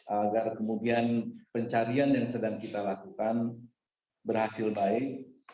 agar kemudian pencarian yang sedang kita lakukan berhasil baik